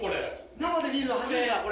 生で見るの初めてだ、これ。